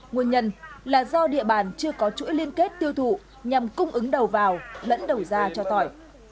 nguyên nhân là do địa bàn chưa có chuỗi liên kết tiêu thụ nhằm cung ứng đầu vào lẫn đầu ra cho tỏi